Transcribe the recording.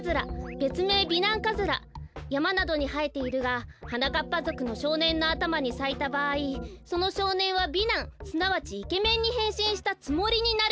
べつめい美男カズラやまなどにはえているがはなかっぱぞくのしょうねんのあたまにさいたばあいそのしょうねんは美男すなわちイケメンにへんしんしたつもりになる。